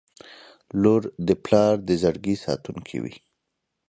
• لور د پلار د زړګي ساتونکې وي.